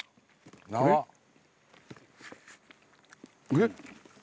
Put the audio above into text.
えっ？